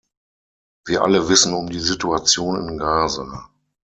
Wir alle wissen um die Situation in Gaza.